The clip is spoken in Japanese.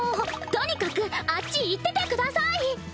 とにかくあっち行っててください！